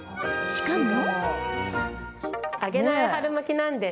しかも。